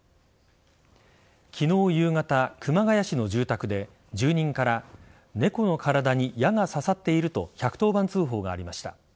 昨日夕方、熊谷市の住宅で住人から猫の体に矢が刺さっていると１１０番通報がありました。